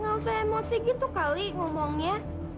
gak usah emosi gitu kali ngomongnya